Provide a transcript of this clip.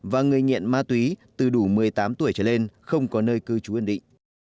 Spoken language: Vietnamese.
và người nghiện ma túy từ đủ một mươi tám tuổi trở lên không có nơi cư trú ẩn định